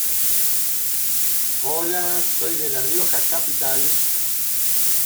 El uso más común del operador diferencial es realizar la derivada en sí misma.